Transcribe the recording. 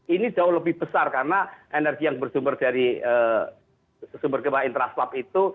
ini jauh lebih besar karena energi yang bersumber dari sumber gempa interaslap itu